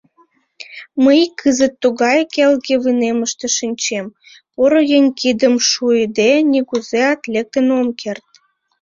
Мый кызыт тугай келге вынемыште шинчем, поро еҥ кидым шуйыде, нигузеат лектын ом керт.